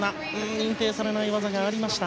認定されない技がありました。